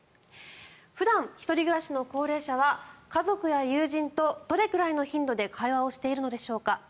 普段、１人暮らしの高齢者は家族や友人とどれくらいの頻度で会話をしているのでしょうか。